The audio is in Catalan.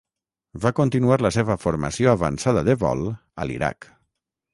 Va continuar la seva formació avançada de vol a l'Iraq.